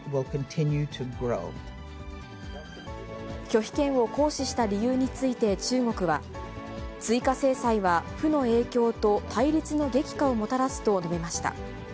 拒否権を行使した理由について中国は、追加制裁は負の影響と対立の激化をもたらすと述べました。